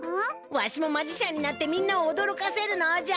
わしもマジシャンになってみんなをおどろかせるのじゃ。